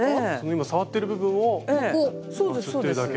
今触っている部分をまつってるだけ。